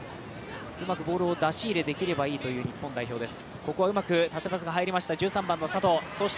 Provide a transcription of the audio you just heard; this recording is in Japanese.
うまくボールを出し入れできればいいという日本代表です。